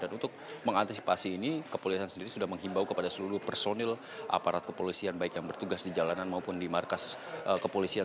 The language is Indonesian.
dan untuk mengantisipasi ini kepolisian sendiri sudah menghimbau kepada seluruh personil aparat kepolisian baik yang bertugas di jalanan maupun di markas kepolisian